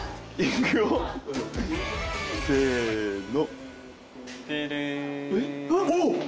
せの！